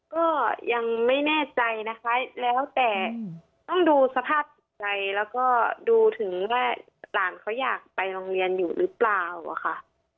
ก็ยังไม่แน่ใจนะคะแล้วแต่ต้องดูสภาพจิตใจแล้วก็ดูถึงว่าหลานเขาอยากไปโรงเรียนอยู่หรือเปล่าอะค่ะ